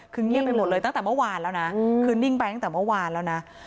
คือเงียบไปหมดเลยตั้งแต่เมื่อวานแล้วนะคือนิ่งไปตั้งแต่เมื่อวานแล้วนะ